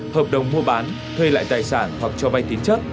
hợp đồng mua bán thuê lại tài sản hoặc cho vai tín chất